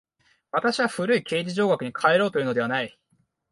私は古い形而上学に還ろうというのではない。